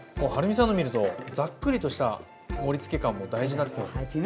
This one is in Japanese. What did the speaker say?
はるみさんの見るとざっくりとした盛りつけ感も大事なんですよね。